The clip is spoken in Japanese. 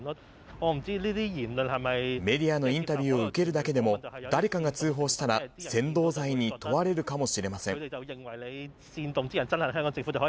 メディアのインタビューを受けるだけでも、誰かが通報したら扇動罪に問われるかもしれません。